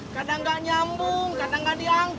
kadang enggak nyambung kadang enggak diangkat